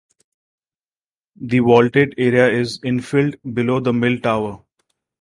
The vaulted area is infilled below the mill tower.